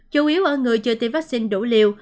chủ yếu ở người chưa tiêm vaccine đủ liều